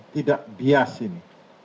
tidak bias ini